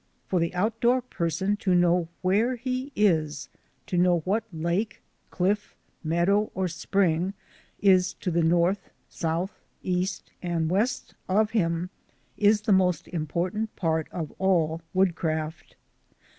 For the outdoor person to know where he is, to know what lake, cliff, meadow, or spring is to the north, south, east, and west of him is the most im portant part of all woodcraft.